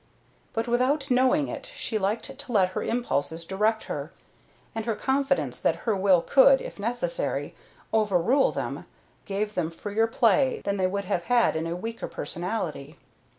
But without knowing it she liked to let her impulses direct her, and her confidence that her will could, if necessary, overrule them gave them freer play than they would have had in a weaker personality.